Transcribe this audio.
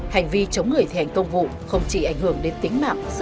hành vi chống người thi hành công vụ không chỉ ảnh hưởng đến tiền